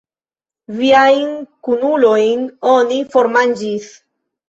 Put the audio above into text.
Viajn kunulojn oni formanĝis!